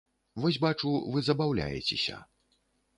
Вось бачу, вы забаўляецеся.